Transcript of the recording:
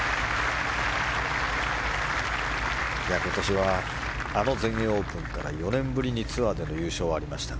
今年はあの全英オープンから４年ぶりにツアーでの優勝がありました。